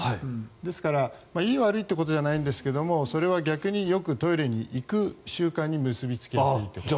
ですから、いい、悪いということじゃないんですがそれは逆によくトイレに行く習慣に結びついてしまう。